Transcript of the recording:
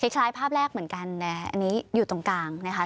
คล้ายภาพแรกเหมือนกันนะอันนี้อยู่ตรงกลางนะคะ